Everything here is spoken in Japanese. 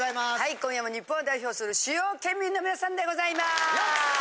今夜も日本を代表する主要県民の皆さんでございます。